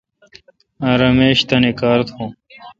ار اک میش تانی کار تھوں۔